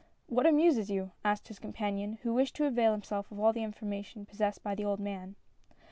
"What amuses you?" asked his companion, who wished to avail himself of all the information possessed by the old man.